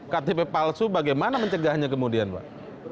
ktp palsu bagaimana mencegahnya kemudian pak